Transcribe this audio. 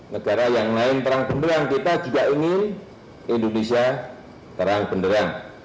negara yang lain terang benderang kita juga ingin indonesia terang benderang